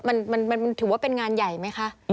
มันถือว่าเป็นงานใหญ่ไหมคะ